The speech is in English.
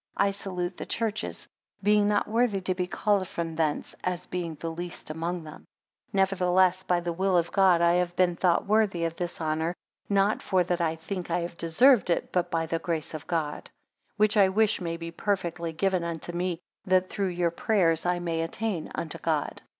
I salute the churches; being not worthy to be called from thence, as being the least among them. 15 Nevertheless by the will of God I have been thought worthy of this honour; not for that I think I have deserved it, but by the grace of God; 16 Which I wish may be perfectly given unto me, that through your prayers I may attain unto God.